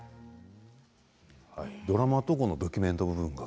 ドラマとドキュメント部分が。